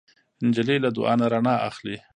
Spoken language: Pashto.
نجلۍ له دعا نه رڼا اخلي.